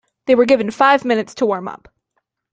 They were given five minutes to warm up.